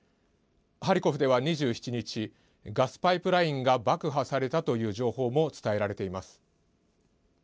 ハリコフでは２７日ガスパイプラインが爆破されたという情報も伝えられています。